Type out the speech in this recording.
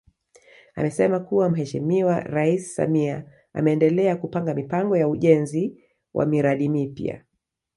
Amesema kuwa Mheshimiwa Rais Samia ameendelea kupanga mipango ya ujenzi wa miradi mipya